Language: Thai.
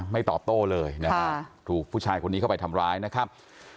ตอบโต้เลยนะฮะถูกผู้ชายคนนี้เข้าไปทำร้ายนะครับ